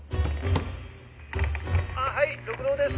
あはい六郎です。